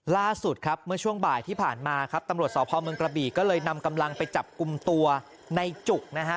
ล่าสุดครับเมื่อช่วงบ่ายที่ผ่านมาครับตำรวจสพเมืองกระบีก็เลยนำกำลังไปจับกลุ่มตัวในจุกนะฮะ